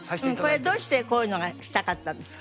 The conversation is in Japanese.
これどうしてこういうのがしたかったんですか？